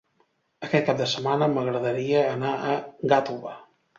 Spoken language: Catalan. Aquest cap de setmana m'agradaria anar a Gàtova.